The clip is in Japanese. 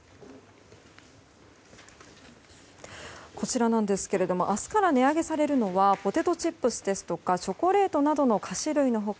こちらなんですけども明日から値上げされるのはポテトチップスですとかチョコレートなどの菓子類の他